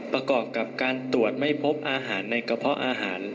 ประกอบกับการตรวจไม่พบอาหารในกระเพาะอาหาร